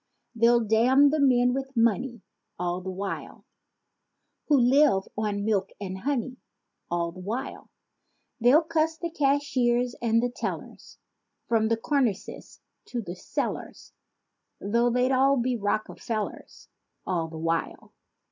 They'll damn the men with money All the while Who "live on milk and honey" All the while. They'll cuss the cashiers and the tellers From the cornices to cellars. Though they'd all be Rockefellers— All the while.